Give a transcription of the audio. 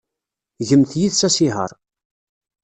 Gemt yid-s asihaṛ.